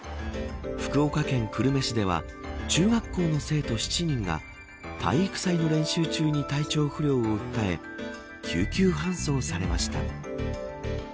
福岡県久留米市では中学校の生徒７人が体育祭の練習中に体調不良を訴え救急搬送されました。